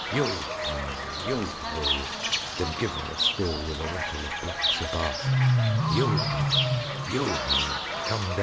Yo ha! Yo ho! Then give her a spill With a rattle of blocks abaft. Yo ha! Yo ho!